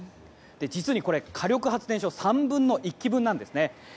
実にこれ火力発電所３分の１基分なんですね。